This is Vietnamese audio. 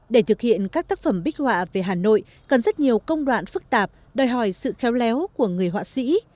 để thực hiện các tác phẩm bích họa về hà nội cần rất nhiều công đoạn phức tạp đòi hỏi sự khéo léo của người họa sĩ